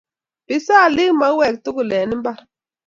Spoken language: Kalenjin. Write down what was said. bisali mauek tugul eng imbar